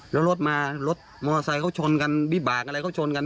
แล้วรถมารถมอเตอร์ไซค์เขาชนกันวิบากอะไรเขาชนกัน